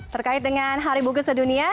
terkait dengan hari buku sedunia